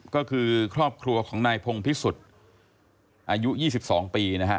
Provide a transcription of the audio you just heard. ก็คือครอบครัวของนายพงภิกษุอายุ๒๒ปีนะครับ